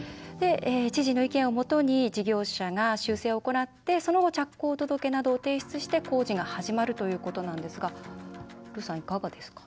知事の意見をもとに事業者が修正を行ってその後、着工届などを提出して工事が始まるということなんですがルーさん、いかがですか？